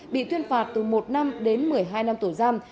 bị tuyên phạt từ một năm đến một mươi hai năm tù giam